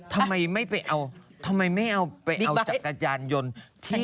ทำไมไม่ไปเอาจักรจานยนต์